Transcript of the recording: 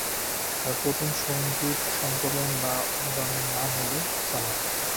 তার প্রথম সঙ্গীত সংকলন বা অ্যালবামের নাম হলো "সালাম"।